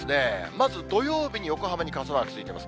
まず土曜日に横浜に傘マークついてます。